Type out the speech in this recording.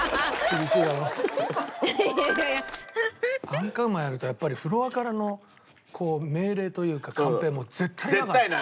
アンカーウーマンやるとやっぱりフロアからの命令というかカンペはもう絶対だからね。